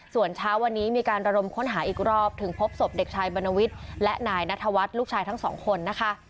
ส่วนเช้าวันนี้มีการระดมค้นหาอีกรอบถึงพบศพเด็กชายบรรณวิทย์และนายนัทวัฒน์ลูกชายทั้งสองคนนะคะ